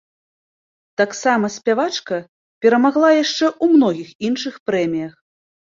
Таксама спявачка перамагла яшчэ ў многіх іншых прэміях.